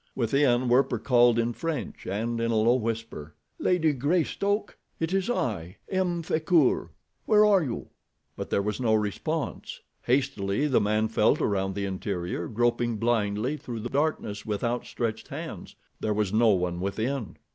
Within, Werper called in French and in a low whisper: "Lady Greystoke! It is I, M. Frecoult. Where are you?" But there was no response. Hastily the man felt around the interior, groping blindly through the darkness with outstretched hands. There was no one within!